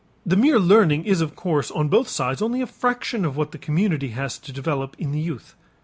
The mere learning is of course on both sides only a fraction of what the community has to develop in the youth.